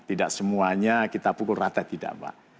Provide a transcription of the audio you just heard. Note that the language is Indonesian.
tidak semuanya kita pukul rata tidak mbak